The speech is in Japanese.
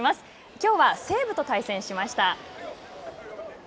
きょうは西武と対戦しました。